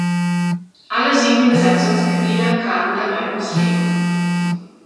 Alle sieben Besatzungsmitglieder kamen dabei ums Leben.